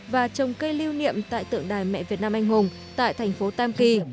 và trồng cây lưu niệm tại tượng đài mẹ việt nam anh hùng tại thành phố tam kỳ